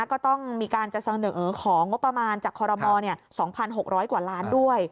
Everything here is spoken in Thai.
ก็ต้องมีการจะเสนอของงบประมาณจากคอรมอล๒๖๐๐กว่าล้านด้วย